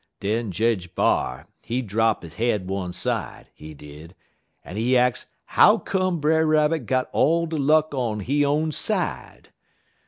Den Jedge B'ar, he drap he head one side, he did, en he ax how come Brer Rabbit got all de luck on he own side.